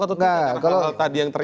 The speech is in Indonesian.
atau tentang hal hal tadi yang terkait